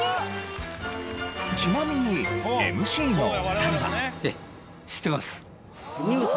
ちなみにＭＣの２人は。